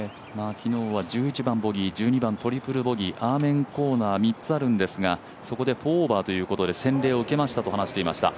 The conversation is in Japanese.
昨日は１１番、ボギー、１２番トリプルボギーアーメン・コーナー３つあるんですがそこで４オーバーということで洗礼を受けましたと言っていました。